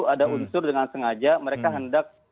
ada unsur dengan sengaja mereka hendak